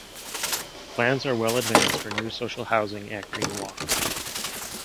Plans are well advanced for new social housing at Green Walk.